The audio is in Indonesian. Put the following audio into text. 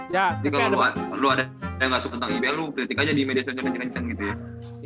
jadi kalau lu ada yang gak suka tentang ibl lu kritik aja di media sosial dan ceng ceng gitu ya